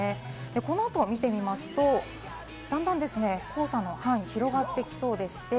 この後を見てみますと、だんだん黄砂の範囲が広がってきそうです。